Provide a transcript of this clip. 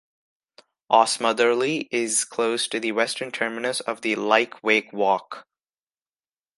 Osmotherley is close to the western terminus of the Lyke Wake Walk.